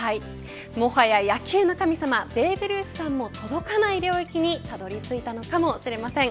もはや野球の神様ベーブ・ルースさんも届かない領域にたどり着いたのかもしれません。